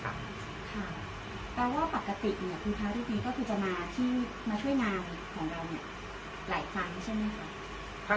แปลว่าปกติเนี่ยคุณคะรูปนี้ก็คือจะมาที่มาช่วยงานของเราเนี่ยหลายครั้งใช่ไหมคะ